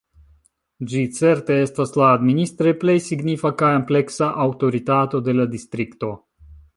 Ĝi certe estas la administre plej signifa kaj ampleksa aŭtoritato de la distrikto.